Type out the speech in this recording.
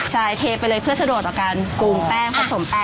ใช่เทไปเลยเพื่อสะดวกต่อการกูงแป้งผสมแป้ง